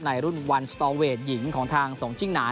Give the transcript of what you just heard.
ในรุ่นวันสตอเวทหญิงของทางสงจิ้งหนา